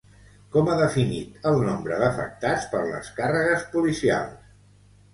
Com ha definit el nombre d'afectats per les càrregues policials?